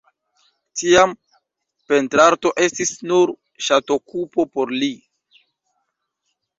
Tiam, pentrarto estis nur ŝatokupo por li.